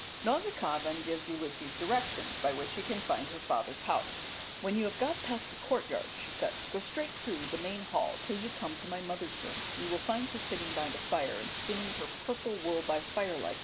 Nausicaa then gives Ulysses directions by which he can find her father's house. "When you have got past the courtyard," she says, "go straight through the main hall, till you come to my mother's room. You will find her sitting by the fire and spinning her purple wool by firelight.